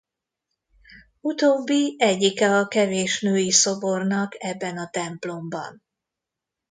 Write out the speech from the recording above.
Utóbbi egyike a kevés női szobornak ebben a templomban.